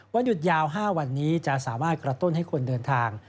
หยุดยาว๕วันนี้จะสามารถกระตุ้นให้คนเดินทาง